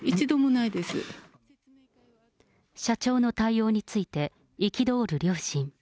社長の対応について憤る両親。